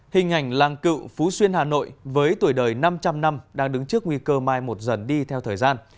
hình ảnh làng cựu phú xuyên hà nội với tuổi đời năm trăm linh năm đang đứng trước nguy cơ mai một dần đi theo thời gian